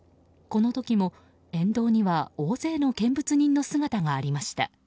この時も沿道には大勢の見物人の姿がありました。